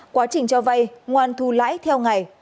quá trình cho vay ngoan thu lãi theo ngày